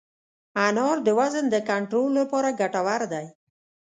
انار د وزن د کنټرول لپاره ګټور دی.